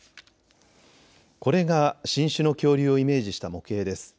これが新種の恐竜をイメージした模型です。